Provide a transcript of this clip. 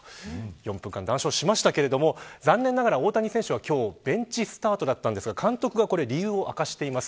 ４分間談笑しましたが残念ながら、大谷選手は今日ベンチスタートだったんですが監督が理由を明かしています。